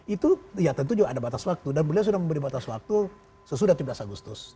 itu ya tentu juga ada batas waktu dan beliau sudah memberi batas waktu sesudah tiga belas agustus